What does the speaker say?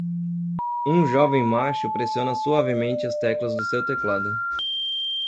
Um jovem macho pressiona suavemente as teclas do seu teclado.